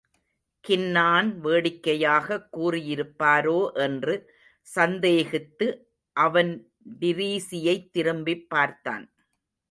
கின்னான் வேடிக்கையாக் கூறியிருப்பாரோ என்று சந்தேகித்து அவன் டிரீஸியைத் திரும்பிப் பார்த்தான்.